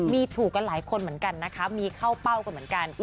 มีถูกกันหลายคนเหมือนกันนะคะมีเข้าเป้ากันเหมือนกัน